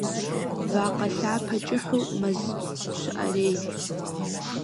Вакъэ лъапэ кӀыхьу мэз щыӀэрей.